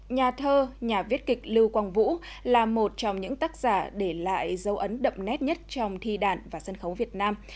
nhà thơ nhà viết kịch lưu quang vũ là một trong những tác giả để lại dấu ấn đậm nét nhất trong thi đảng và sân khấu việt nam